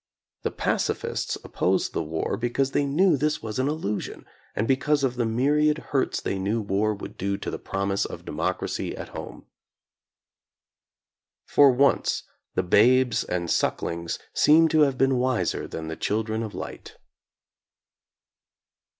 The pacifists opposed the war because they knew this was an illusion, and because of the myriad hurts they knew war would do the promise of de mocracy at home. For once the babes and suck lings seem to have been wiser than the children of light.